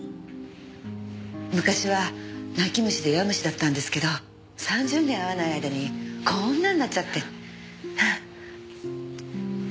昔は泣き虫で弱虫だったんですけど３０年会わない間にこんなになっちゃって。